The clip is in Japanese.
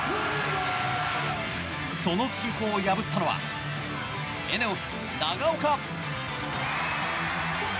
その均衡を破ったのはＥＮＥＯＳ、長岡。